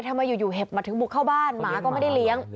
ทำไมอยู่เห็บมาถึงบุกเข้าบ้านหมาก็ไม่ได้เลี้ยง